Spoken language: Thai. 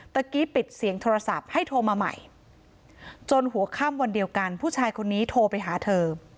กี้ปิดเสียงโทรศัพท์ให้โทรมาใหม่จนหัวค่ำวันเดียวกันผู้ชายคนนี้โทรไปหาเธอ